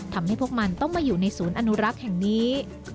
ทำให้พวกมันต้องมาอยู่ในศูนย์อนุรักษ์แห่งนี้